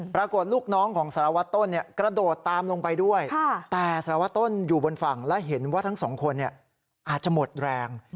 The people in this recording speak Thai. ลูกน้องของสารวัตรต้นกระโดดตามลงไปด้วยแต่สารวัตต้นอยู่บนฝั่งและเห็นว่าทั้งสองคนอาจจะหมดแรง